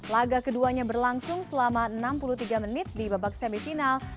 laga keduanya berlangsung selama enam puluh tiga menit di babak semifinal